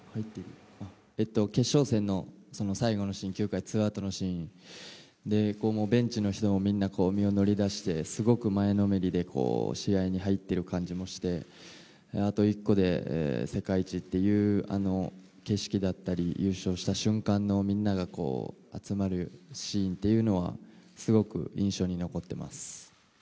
決勝戦の最後の９回ツーアウトのシーンでベンチの人もみんな身を乗り出してすごく前のめりで試合に入っている感じもして、あと一個で世界一というあの景色だったり優勝した瞬間の、みんなが集まるシーンというのはすごく印象に残っています。